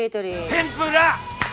天ぷら！